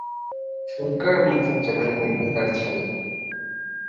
সুরকার মকসুদ জামিল মিন্টু তার ছেলে।